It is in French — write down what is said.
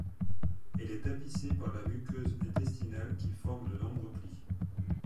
Elle est tapissée par la muqueuse intestinale qui forme de nombreux plis.